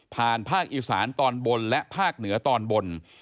ภาคอีสานตอนบนและภาคเหนือตอนบน